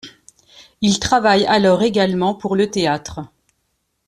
Il travaille alors également pour le théâtre.